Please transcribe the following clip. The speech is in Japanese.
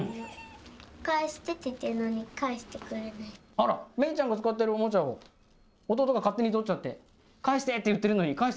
あらめいちゃんが使ってるオモチャを弟が勝手に取っちゃって「返して」って言ってるのに返してくれない。